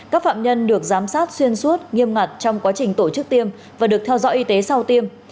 các phạm nhân được giám sát xuyên suốt nghiêm ngặt trong quá trình tổ chức tiêm và được theo dõi y tế sau tiêm